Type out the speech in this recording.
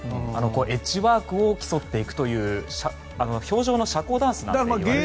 エッジワークを競っていくという氷上の社交ダンスともいわれますね。